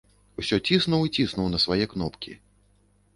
Усё ціснуў і ціснуў на свае кнопкі.